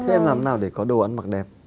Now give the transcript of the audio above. các em làm thế nào để có đồ ăn mặc đẹp